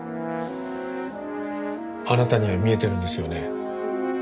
あなたには見えてるんですよね？